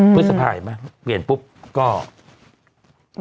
พฤษภาคเห็นป่ะเปลี่ยนปุ๊บก็เลิกตั้ง